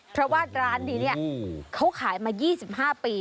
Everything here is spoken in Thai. เพราะว่าร้านนี้เนี่ยเขาขายมา๒๕ปี